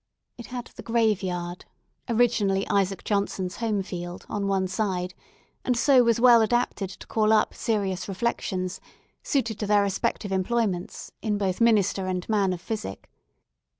It had the graveyard, originally Isaac Johnson's home field, on one side, and so was well adapted to call up serious reflections, suited to their respective employments, in both minister and man of physic.